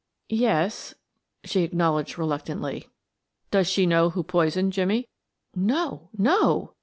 "Yes," she acknowledged reluctantly. "Does she know who poisoned Jimmie?" "No no!"